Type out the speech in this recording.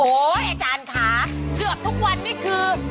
อาจารย์ค่ะเกือบทุกวันนี้คือ